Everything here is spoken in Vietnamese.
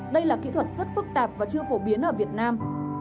đây là kỹ thuật rất phức tạp và chưa phổ biến ở việt nam